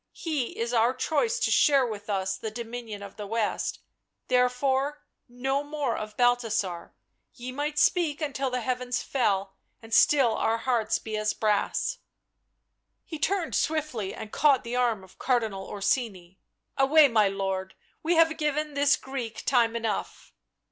He is our choice to share with us the dominion of the West, therefore no more of Balthasar — ye might speak until the heavens fell and still our hearts be as brass I" He turned swiftly and caught the arm of Cardinal Orsini. " Away, my lord, we have given this Greek time enough."